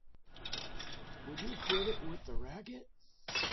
Would you quit it with that racket!